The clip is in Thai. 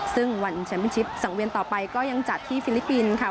ซึ่งวันแชมป์ชิปสังเวียนต่อไปก็ยังจัดที่ฟิลิปปินส์ค่ะ